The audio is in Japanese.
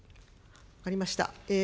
分かりました。